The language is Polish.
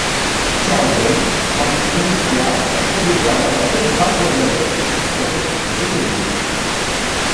Chciałbym, aby Komisja odpowiedziała na te dwa problemy w sposób pozytywny